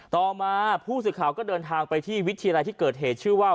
ต่อมาผู้สื่อข่าวก็เดินทางไปที่วิทยาลัยที่เกิดเหตุชื่อว่า